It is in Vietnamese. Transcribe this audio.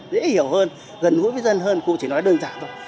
dễ hiểu hơn gần gũi với dân hơn cô chỉ nói đơn giản thôi